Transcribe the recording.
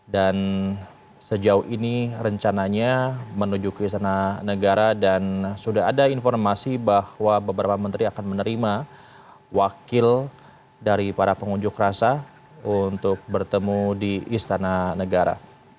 dan sejauh ini rencananya menuju ke istana negara dan sudah ada informasi bahwa beberapa menteri akan menerima wakil dari para pengunjuk rasa untuk bertemu di istana negara